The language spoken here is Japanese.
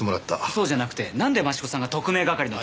そうじゃなくてなんで益子さんが特命係のために？